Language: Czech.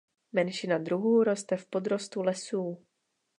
Menšina druhů roste v podrostu lesů.